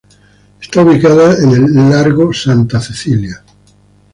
Está ubicada en el Largo Santa Cecília.